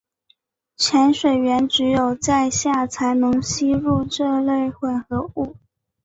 潜水员只有在下才能吸入这类混合物。